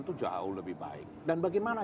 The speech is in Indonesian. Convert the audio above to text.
itu jauh lebih baik dan bagaimana